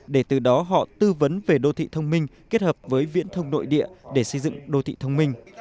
để từ đó họ tư vấn về đô thị thông minh kết hợp với viễn thông nội địa để xây dựng đô thị thông minh